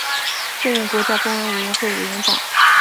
现任国家公安委员会委员长。